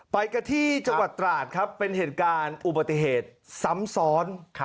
ไปกันที่จังหวัดตราดครับเป็นเหตุการณ์อุบัติเหตุซ้ำซ้อน